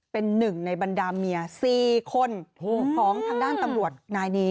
เป็นหนึ่งในบรรดาเมีย๔คนของทางด้านตำรวจนายนี้